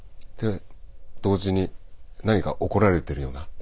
同時に何か怒られてるような。